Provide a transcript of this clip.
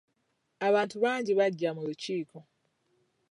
Abantu bangi bajja mu lukiiko.